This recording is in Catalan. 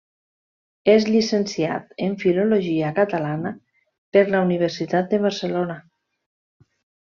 És llicenciat en Filologia catalana per la Universitat de Barcelona.